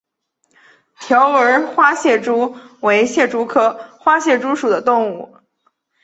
条纹花蟹蛛为蟹蛛科花蟹蛛属的动物。